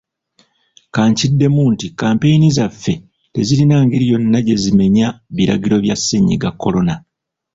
Kankiddemu nti kkampeyini zaffe tezirina ngeri yonna gye zimenya biragiro bya Ssennyiga Corona.